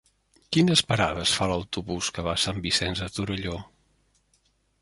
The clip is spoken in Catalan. Quines parades fa l'autobús que va a Sant Vicenç de Torelló?